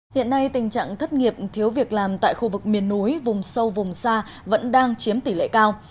hiện nay tình trạng thất nghiệp thiếu việc làm tại khu vực miền núi vùng sâu vùng xa vẫn đang chiếm tỷ lệ cao